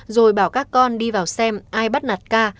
rồi bảo các con đi vào xem ai bắt nạt ca